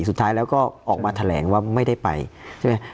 สุดท้ายแล้วก็ออกมาแถลงว่าไม่ได้ไปใช่ไหม